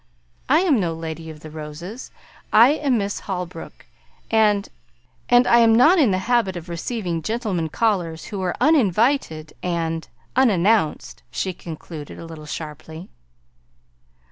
I am no Lady of the Roses. I am Miss Holbrook; and and I am not in the habit of receiving gentlemen callers who are uninvited and unannounced," she concluded, a little sharply.